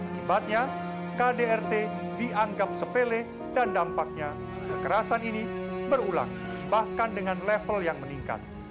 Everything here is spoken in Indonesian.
akibatnya kdrt dianggap sepele dan dampaknya kekerasan ini berulang bahkan dengan level yang meningkat